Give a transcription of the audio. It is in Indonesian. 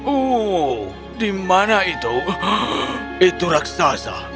uh di mana itu itu raksasa